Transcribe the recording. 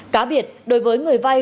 cá biệt đối với người vai